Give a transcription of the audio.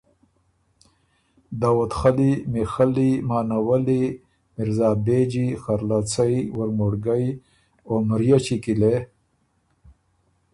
داؤدخلی، میخلی، مانولّی، مِرزابېجی، خرلڅئ، وُرمُړګئ، او مرئچی کی لې